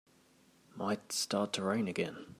Might start to rain again.